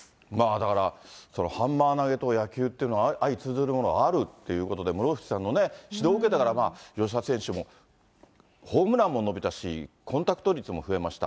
だから、ハンマー投げと野球っていうのは相通ずるものがあるっていうことで、室伏さんの指導を受けたから吉田選手も、ホームランも伸びたし、コンタクト率も増えました。